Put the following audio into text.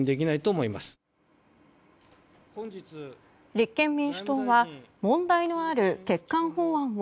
立憲民主党は問題のある欠陥法案を